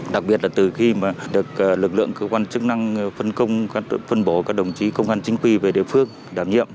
đặc biệt là từ khi được lực lượng cơ quan chức năng phân công phân bổ các đồng chí công an chính quy về địa phương đảm nhiệm